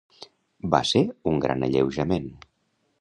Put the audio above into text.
Va ser un gran alleujament